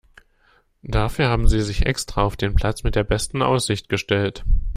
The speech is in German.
Dafür haben Sie sich extra auf den Platz mit der besten Aussicht gestellt.